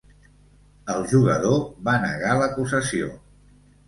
El jugador va negar l’acusació.